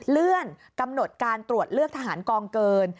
เลื่อนกำหนดการตรวจเลือกทหารกองเกิน